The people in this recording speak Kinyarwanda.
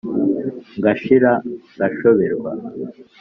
Ngashira ngashoberwa